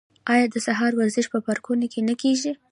آیا د سهار ورزش په پارکونو کې نه کیږي؟